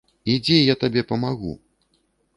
Ідзі, я табе памагу.